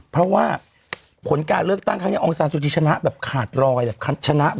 เพราะว่าผลการเลือกตั้งงานอองซานสุธรีชนะแบบขาดรอย